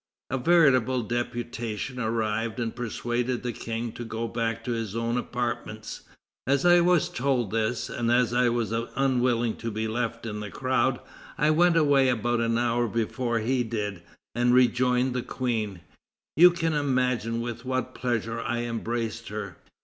A veritable deputation arrived and persuaded the King to go back to his own apartments. As I was told this, and as I was unwilling to be left in the crowd, I went away about an hour before he did, and rejoined the Queen: you can imagine with what pleasure I embraced her."